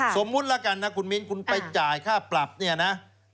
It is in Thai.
สมมุติแล้วกันนะคุณมิ้นคุณไปจ่ายค่าปรับเนี่ยนะ